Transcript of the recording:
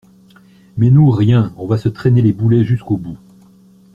mais nous rien, on va se traîner les boulets jusqu’au bout.